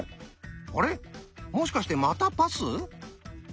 あれもしかしてまたパス？